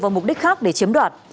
vào mục đích khác để chiếm đoạt